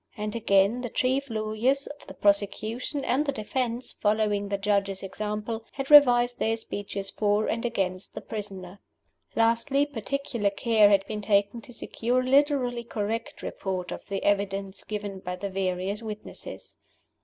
And, again, the chief lawyers for the prosecution and the defense, following the Judge's example, had revised their speeches for and against the prisoner. Lastly, particular care had been taken to secure a literally correct report of the evidence given by the various witnesses.